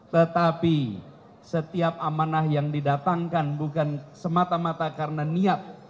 tetapi setiap amanah yang didatangkan bukan semata mata karena niat